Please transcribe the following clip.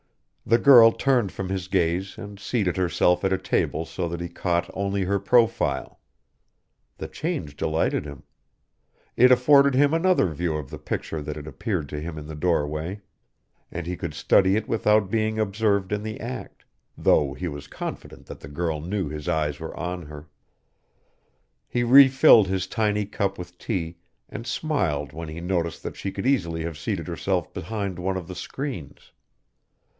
The girl turned from his gaze and seated herself at a table so that he caught only her profile. The change delighted him. It afforded him another view of the picture that had appeared to him in the doorway, and he could study it without being observed in the act, though he was confident that the girl knew his eyes were on her. He refilled his tiny cup with tea and smiled when he noticed that she could easily have seated herself behind one of the screens.